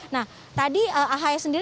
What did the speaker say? nah tadi ahu sendiri